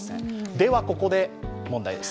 では、ここで問題です。